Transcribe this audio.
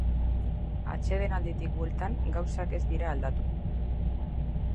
Atsedenalditik bueltan gauzak ez dira aldatu.